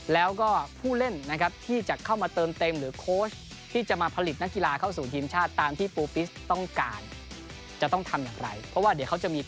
แล้วก็ผู้เล่นที่จะเข้ามาเติมเต็ม